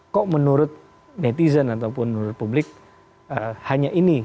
kok menurut netizen ataupun menurut publik hanya ini